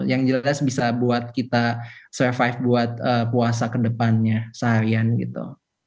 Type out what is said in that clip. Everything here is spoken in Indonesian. yang jelas bisa buat kita survive buat puasa kedepannya seharian gitu